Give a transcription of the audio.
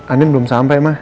andin belum sampai ma